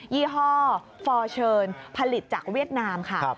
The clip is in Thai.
ี่ห้อฟอร์เชิญผลิตจากเวียดนามค่ะ